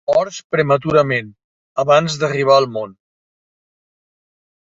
Morts prematurament, abans d'arribar al món.